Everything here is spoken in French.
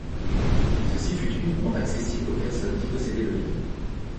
Ceci fut uniquement accessible aux personnes qui possédaient le lien.